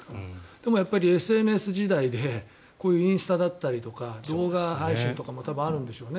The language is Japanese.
でもＳＮＳ時代でこういうインスタだったりとか動画配信とかも多分あるんでしょうね。